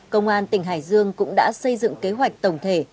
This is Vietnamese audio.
công an tỉnh hải dương cũng đã xây dựng kế hoạch tổng thể